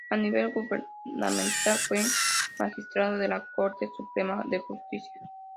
A nivel gubernamental fue Magistrado de la Corte Suprema de Justicia.